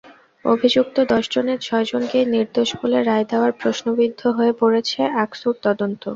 অভিযুক্ত দশজনের ছয়জনকেই নির্দোষ বলে রায় দেওয়ায় প্রশ্নবিদ্ধ হয়ে পড়েছে আকসুর তদন্ত।